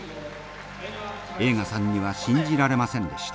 栄花さんには信じられませんでした。